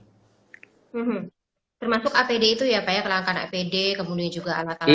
termasuk apd itu ya pak ya kelangkaan apd kemudian juga alat alat